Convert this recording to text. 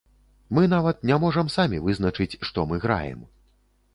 Мы нават не можам самі вызначыць, што мы граем.